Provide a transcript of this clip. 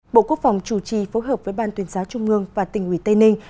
bộ quốc phòng chủ trì phối hợp với ban tuyên giáo trung ương và tỉnh ủy tây ninh